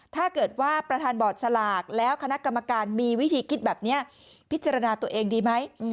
ท่านประธานบอร์ดสลากแล้วคณะกรรมการมีวิธีคิดแบบนี้พิจารณาตัวเองดีไหม